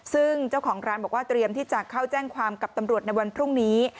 ซึ่งเจ้าของร้านบอกว่าเตรียมที่จะเข้าแจ้งความกับตำรวจในวันพรุ่งนี้